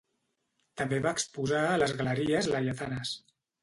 També va exposar a les Galeries Laietanes.